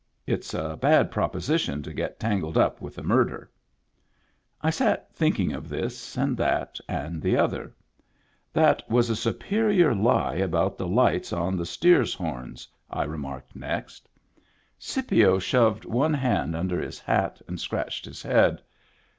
It's a bad proposition to get tangled up with a murderer." I sat thinking of this and that and the other. "That was a superior lie about the lights on the steers' horns," I remarked next. Digitized by VjOOQIC 136 MEMBERS OF THE FAMILY Scipio shoved one hand under his hat and scratched his head.